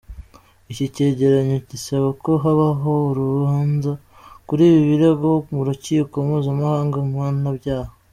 Iki cyegeranyo gisaba ko habaho urubanza kuri ibi birego mu rukiko mpuzamahanga mpanabyaha.